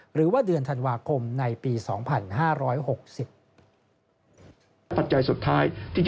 หรือว่าเดือนธันวาคมในปี๒๕๖๐